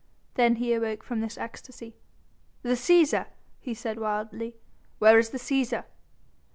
Then he awoke from this ecstasy. "The Cæsar?" he said wildly, "where is the Cæsar?"